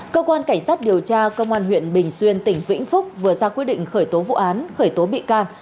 cơ quan cảnh sát điều tra công an huyện bình xuyên tỉnh vĩnh phúc vừa ra quyết định khởi tố vụ án khởi tố bị can